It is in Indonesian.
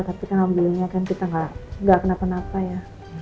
tapi kan ngambilnya kan kita nggak kenapa napa ya